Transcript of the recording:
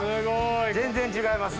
全然違いますね。